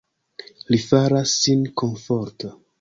Li faras sin komforta.